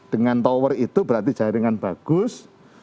dengan tower itu berarti jaringan bagus